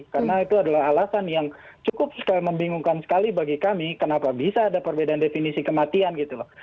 karena itu adalah alasan yang cukup membingungkan sekali bagi kami kenapa bisa ada perbedaan definisi kematian gitu loh